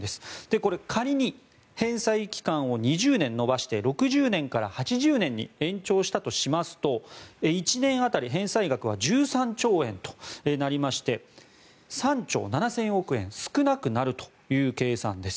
これ、仮に返済期間を２０年延ばして６０年から８０年に延長したとしますと１年当たり、返済額は１３兆円となりまして３兆７０００億円少なくなるという計算です。